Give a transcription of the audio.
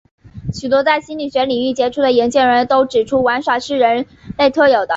许多在心理学领域杰出的研究人员都指出玩耍是人类特有的。